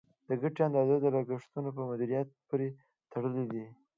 د ګټې اندازه د لګښتونو په مدیریت پورې تړلې ده.